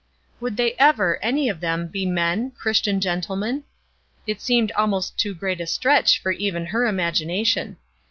Would they ever, any of them, be men Christian gentlemen? It seemed almost too great a stretch for even her imagination.